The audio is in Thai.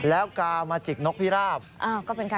อ่าอ่าอ่าอ่า